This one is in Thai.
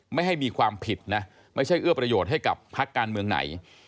ไม่ให้มีความผิดนะไม่ใช่เอื้อประโยชน์ให้กับพักการเมืองไหน